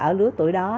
ở lứa tuổi đó